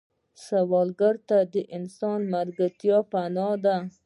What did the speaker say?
سوالګر ته د انسان ملګرتیا پناه ده